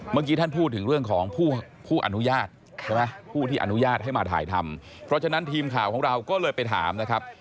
เมื่อกี้ท่านพูดถึงเรื่องของผู้อนุญาตใช่ไหมผู้ที่อนุญาตให้มาถ่ายทำเพราะฉะนั้นทีมข่าวของเราก็เลยไปถามนะครับ